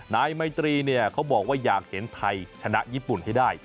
นายไมตรีเนี่ยเขาบอกว่าอยากเห็นไทยชนะญี่ปุ่นให้ได้